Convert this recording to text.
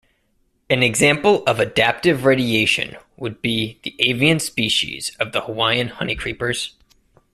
An example of adaptive radiation would be the avian species of the Hawaiian honeycreepers.